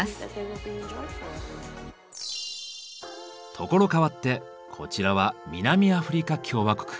所変わってこちらは南アフリカ共和国。